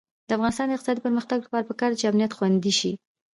د افغانستان د اقتصادي پرمختګ لپاره پکار ده چې امنیت خوندي شي.